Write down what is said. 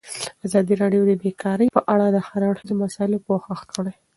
ازادي راډیو د بیکاري په اړه د هر اړخیزو مسایلو پوښښ کړی.